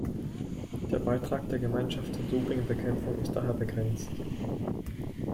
Der Beitrag der Gemeinschaft zur DopingBekämpfung ist daher begrenzt.